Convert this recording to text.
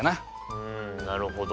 うんなるほど。